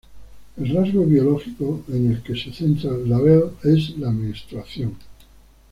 El rasgo biológico en el que se centra La Belle es la menstruación.